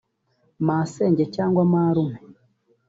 masenge cyangwa marume